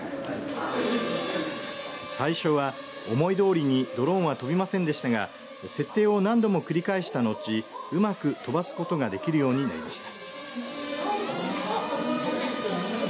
最初は思いどおりにドローンは飛びませんでしたが設定を何度も繰り返した後うまく飛ばすことができるようになりました。